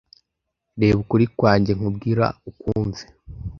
reba ukuri kwanjye nkubwira ukumve